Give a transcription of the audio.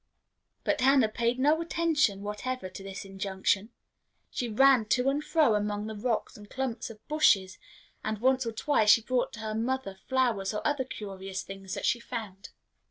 But Hannah paid no attention whatever to this injunction. She ran to and fro among the rocks and clumps of bushes, and once or twice she brought to her mother flowers or other curious things that she found.